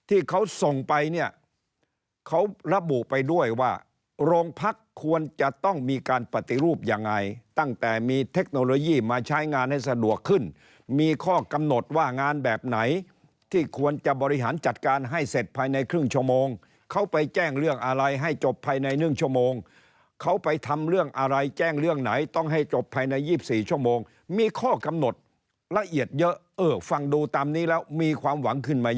ที่เขาส่งไปเนี่ยเขารับบุไปด้วยว่าโรงพักษณ์ควรจะต้องมีการปฏิรูปยังไงตั้งแต่มีเทคโนโลยีมาใช้งานให้สะดวกขึ้นมีข้อกำหนดว่างานแบบไหนที่ควรจะบริหารจัดการให้เสร็จภายในครึ่งชั่วโมงเขาไปแจ้งเรื่องอะไรให้จบภายในหนึ่งชั่วโมงเขาไปทำเรื่องอะไรแจ้งเรื่องไหนต้องให้จบภายในยี่สิบสี่ชั่วโ